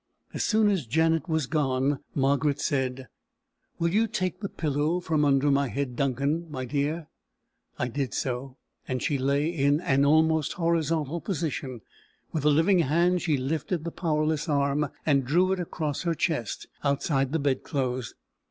As soon as Janet was gone, Margaret said: "Will you take the pillow from under my head, Duncan, my dear?" I did so, and she lay in an almost horizontal position. With the living hand she lifted the powerless arm, and drew it across her chest, outside the bed clothes.